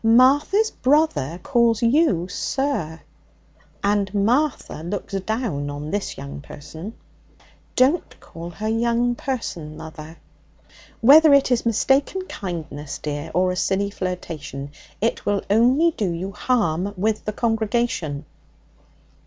'Martha's brother calls you "sir," and Martha looks down on this young person.' 'Don't call her "young person," mother.' 'Whether it is mistaken kindness, dear, or a silly flirtation, it will only do you harm with the congregation.'